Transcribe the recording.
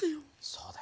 そうだ！